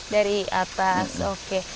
dari atas oke